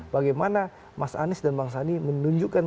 bagaimana mas anies dan bang sandi menunjukkan